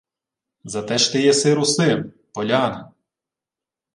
— Зате ж ти єси русин, полянин...